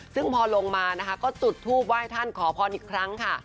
ซึ่งพอลงมานะคะก็จุดทูปไหว้ท่านขอพรอีกครั้งค่ะ